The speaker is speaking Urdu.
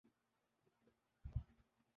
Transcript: مگر ان بیٹسمینوں پر تنقید کرنے کے بجائے